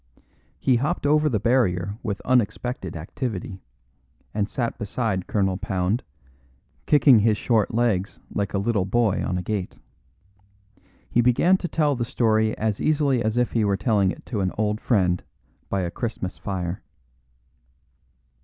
He hopped over the barrier with unexpected activity, and sat beside Colonel Pound, kicking his short legs like a little boy on a gate. He began to tell the story as easily as if he were telling it to an old friend by a Christmas fire.